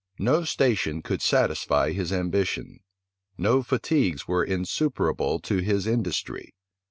No station could satisfy his ambition, no fatigues were insuperable to his industry.